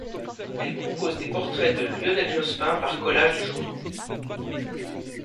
Elle compose des portraits de Lionel Jospin par collages de journaux.